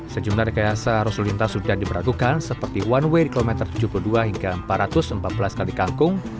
sejumlah rekayasa arus lintas sudah diperagukan seperti one way di kilometer tujuh puluh dua hingga empat ratus empat belas kali kangkung